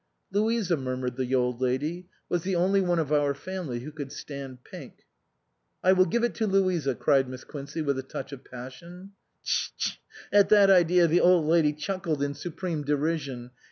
" Louisa," murmured the Old Lady, " was the only one of our family who could stand pink." " I will give it to Louisa," cried Miss Quincey with a touch of passion. " Tehee tehee !" At that idea the Old Lady chuckled in supreme derision.